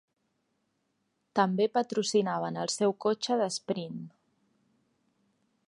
També patrocinaven el seu cotxe d'esprint.